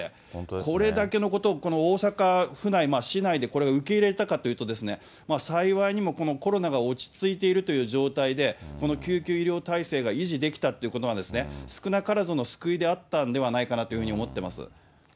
これだけのことを、この大阪府内、市内でこれを受け入れられたかというと、幸いにもこのコロナが落ち着いているという状態で、この救急医療体制が維持できたっていうことは、少なからず救いであったんではないかなというふうに思っています。